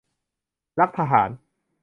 รักทหาร